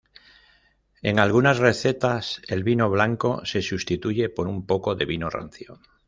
En algunas recetas el vino blanco se sustituye por un poco de vino rancio.